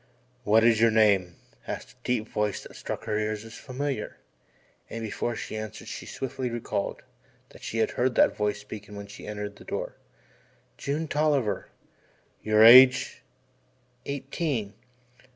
"What is your name?" asked a deep voice that struck her ears as familiar, and before she answered she swiftly recalled that she had heard that voice speaking when she entered the door. "June Tolliver." "Your age?" "Eighteen."